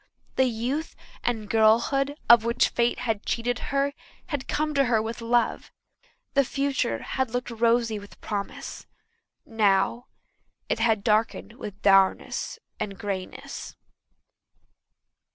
The youth and girlhood of which fate had cheated her had come to her with love; the future had looked rosy with promise; now it had darkened with dourness and greyness.